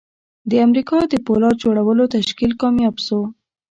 د امریکا د پولاد جوړولو تشکیل کامیاب شو